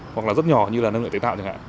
hoặc là rất nhỏ như là nơi tế tạo